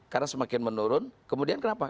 karena semakin menurun kemudian kenapa